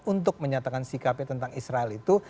untuk menyatakan sikapnya tentang israel itu